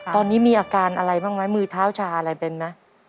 ตอนนี้มีอาการอะไรบ้างไหมมือเท้าชาอะไรเป็นไหม